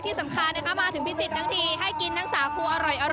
ที่สำคัญนะค่ะมาถึงพิจิตย์จะกินสาคูอร่อย